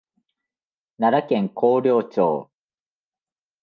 奈良県広陵町